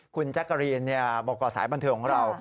คุณแจ๊กกะรีนบอกก่อสายบันเทิงของเรา